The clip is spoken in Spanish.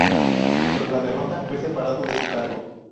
Tras la derrota, fue separado de su cargo.